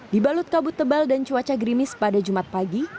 dibalut kabut tebal dan cuaca grimis pada jumat pagi